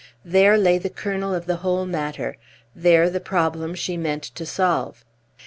There lay the kernel of the whole matter, there the problem that she meant to solve.